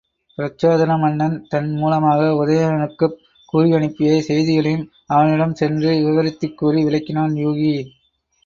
பிரச்சோதன மன்னன் தன் மூலமாக உதயணனுக்குக் கூறியனுப்பிய செய்திகளையும் அவனிடம் சென்று விவரித்துக் கூறி விளக்கினான் யூகி.